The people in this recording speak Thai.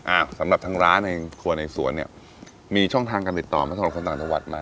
อ่ะสำหรับทางร้านในครัวในสวนเนี่ยมีช่องทางการติดต่อไหมสำหรับคนต่างจังหวัดมา